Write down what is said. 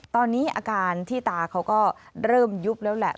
ตอนนี้อาการที่ตาเขาก็เริ่มยุบแล้วแหละ